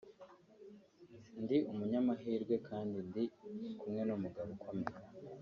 Ndi umunyamahirwe kandi ndi kumwe n’umugabo ukomeye